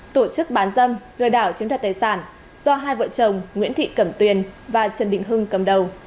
tổ chức bán dâm lừa đảo chiếm đoạt tài sản do hai vợ chồng nguyễn thị cẩm tuyền và trần đình hưng cầm đầu